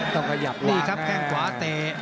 ต้องขยับลากแค่งขวาเตะ